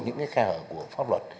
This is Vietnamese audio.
những cái khe hở của pháp luật